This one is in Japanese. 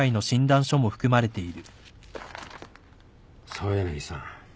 澤柳さん。